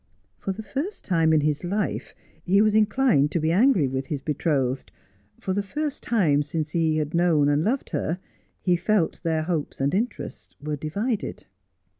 For the first time in his life he was inclined to be angry with his betrothed — for the first time since he had known and loved her he felt their hopes and interests were divided.